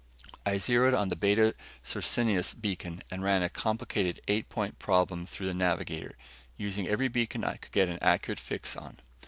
I zeroed on the Beta Circinus beacon and ran a complicated eight point problem through the navigator, using every beacon I could get an accurate fix on.